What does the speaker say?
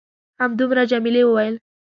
همدومره؟ جميلې وويل:.